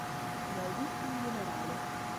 Vedi, in generale,